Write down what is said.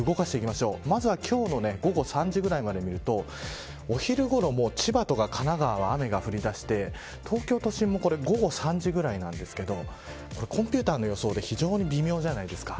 まずは今日の午後３時ぐらいまで見るとお昼ごろも千葉とか神奈川は雨が降り出して東京都心も午後３時ぐらいなんですけどコンピューターの予想で非常に微妙じゃないですか。